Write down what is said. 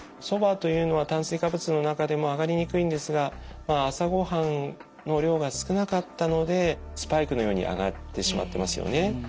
そばというのは炭水化物の中でも上がりにくいんですがまあ朝ご飯の量が少なかったのでスパイクのように上がってしまってますよね。